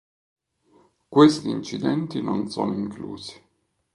Questi incidenti non sono inclusi.